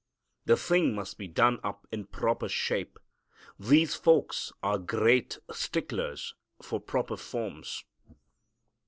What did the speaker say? The thing must be done up in proper shape. These folks are great sticklers for proper forms.